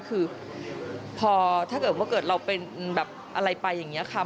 คือพอถ้าเกิดว่าเกิดเราเป็นแบบอะไรไปอย่างนี้ค่ะ